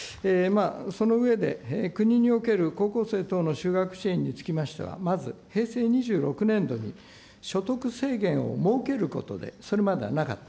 その上で、国における高校生等の就学支援につきましては、まず平成２６年度に所得制限を設けることで、それまではなかった。